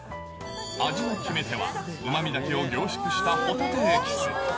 味の決め手はうまみだけを凝縮したほたてエキス。